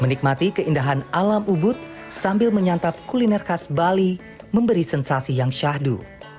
menikmati keindahan alam ubud sambil menyantap kuliner khas bali memberi sensasi yang syahdu